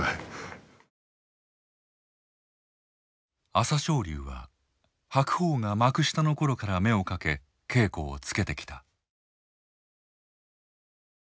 朝青龍は白鵬が幕下の頃から目をかけ稽古をつけてきた。